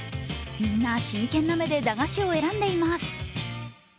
みんな真剣な目で駄菓子を選んでいます。